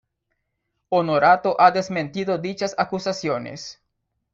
Honorato ha desmentido dichas acusaciones.